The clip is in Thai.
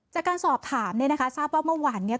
จากการสอบถามเนี่ยนะคะทราบว่าเมื่อวานเนี่ย